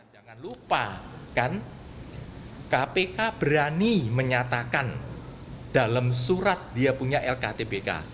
jangan lupa kan kpk berani menyatakan dalam surat dia punya lktpk